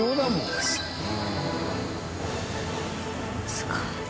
すごい。